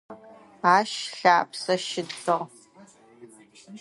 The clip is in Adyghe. Ащ лъапсэ щыдзыгъ.